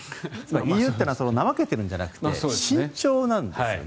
ＥＵというのは怠けているんじゃなくて慎重なんですよね。